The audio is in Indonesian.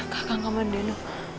kakang kaman deno